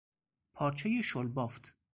پارچه شلبافت